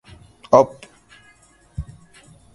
Uncle of Stuart Patterson, from Aberdeen Scotland.